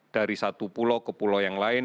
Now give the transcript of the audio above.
dari satu pulau ke pulau yang lain